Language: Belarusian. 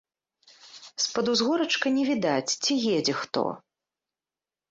З-пад узгорачка не відаць, ці едзе хто.